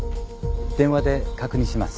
電話で確認します。